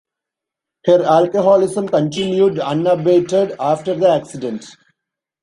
Her alcoholism continued unabated after the accident.